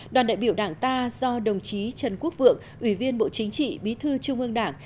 đoàn đại biểu đảng ta do đồng chí trần quốc vượng ủy viên bộ chính trị bí thư trung ương đảng